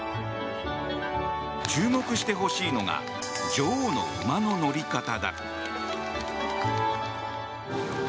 注目してほしいのが女王の馬の乗り方だ。